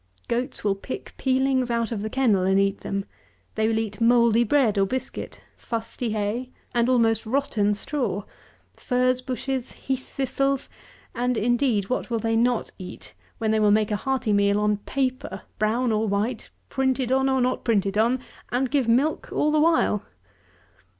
Goats will pick peelings out of the kennel and eat them. They will eat mouldy bread or biscuit; fusty hay, and almost rotten straw; furze bushes, heath thistles; and, indeed, what will they not eat, when they will make a hearty meal on paper, brown or white, printed on or not printed on, and give milk all the while!